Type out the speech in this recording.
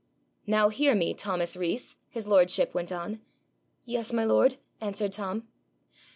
'Now, hear me, Thomas Rees,' his lordship went on. 'Yes, my lord,' answered Tom.